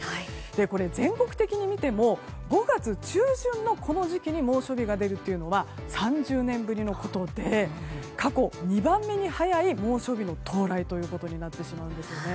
これ、全国的に見ても５月中旬のこの時期に猛暑日が出るのは３０年ぶりのことで過去２番目に早い猛暑日の到来となってしまうんですね。